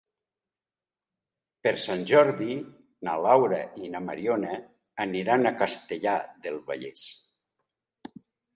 Per Sant Jordi na Laura i na Mariona aniran a Castellar del Vallès.